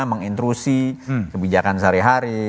mengintrusi kebijakan sehari hari